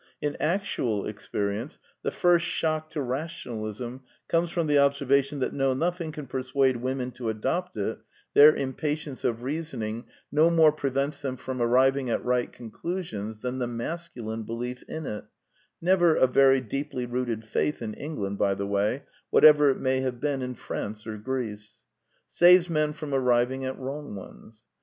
In actual ex perience, the first shock to rationalism comes from the observation that though nothing can persuade women to adopt it, their impatience of reasoning 12 The Quintessence of Ibsenism no more prevents them from arriving at right conclusions than the masculine belief in it (never a very deeply rooted faith in England, by the way, whatever it may have been in France or Greece) saves men from arriving at wrong ones.